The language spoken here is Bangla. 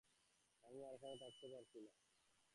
আমি আর এখানে থাকতে পারছি না।